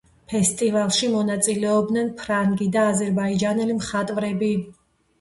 ფესტივალში მონაწილეობდნენ ფრანგი და აზერბაიჯანელი მხატვრები.